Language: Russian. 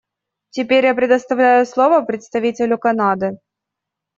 Теперь я предоставляю слово представителю Канады.